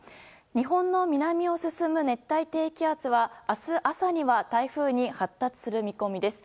日本の南を進む熱帯低気圧は明日朝には台風に発達する見込みです。